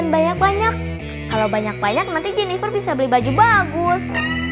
banyak banyak kalau banyak banyak nanti jennifer bisa beli baju bagus